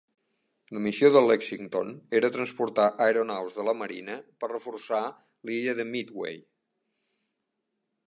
La missió del Lexington era transportar aeronaus de la Marina per reforçar l'illa de Midway.